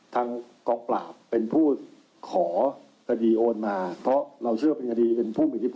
ทางกองปราบเป็นผู้ขอคดีโอนมาเพราะเราเชื่อเป็นคดีเป็นผู้มีอิทธิ